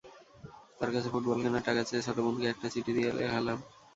তাঁর কাছে ফুটবল কেনার টাকা চেয়ে ছোট বোনকে দিয়ে একটা চিঠি লেখালাম।